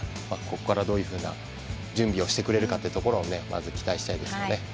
ここから、どういう準備をしてくれるかというところをまず期待したいですね。